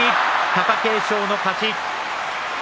貴景勝の勝ち。